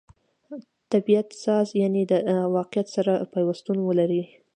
طبعت سازي؛ یعني د واقعیت سره پیوستون ولري.